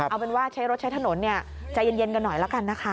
เอาเป็นว่าใช้รถใช้ถนนใจเย็นกันหน่อยละกันนะคะ